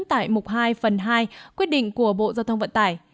tại mục hai phần hai quyết định của bộ giao thông vận tải